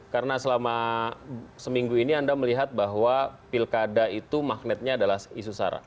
karena selama seminggu ini anda melihat bahwa pilkada itu magnetnya adalah isu sara